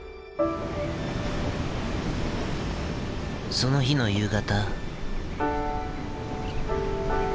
その日の夕方。